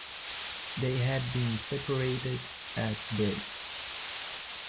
They had been separated at birth.